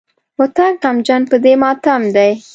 هوتک غمجن په دې ماتم دی.